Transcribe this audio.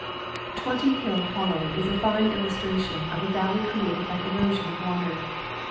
Twenty Hill Hollow is a fine illustration of a valley created by erosion of water.